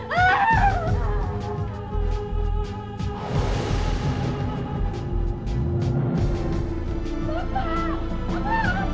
kita tinggal dulu ya bu